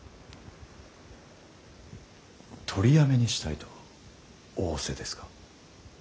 取りやめにしたいと仰せですか。